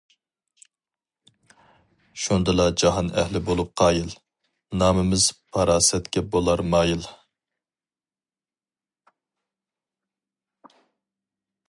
شۇندىلا جاھان ئەھلى بولۇپ قايىل، نامىمىز پاراسەتكە بولار مايىل.